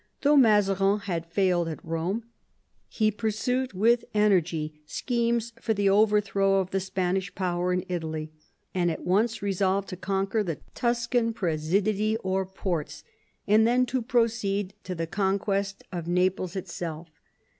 Though Mazarin had failed at Rome, he pursued with energy schemes for the overthrow of the Spanish power in Italy, and at once resolved to conquer the Tuscan presidii or ports, and then to proceed to the conquest of Naples itself.